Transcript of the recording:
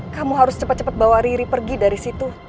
kamu harus cepat cepat bawa riri pergi dari situ